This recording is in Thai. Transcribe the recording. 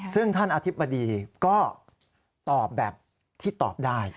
ซึ่งท่านอธิบดีก็ตอบแบบที่ตอบได้